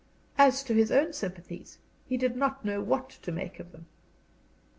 As to his own sympathies, he did not know what to make of them.